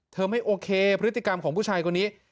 ไม่โอเคพฤติกรรมของผู้ชายคนนี้